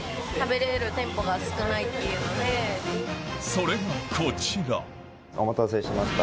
それがこちらお待たせしました。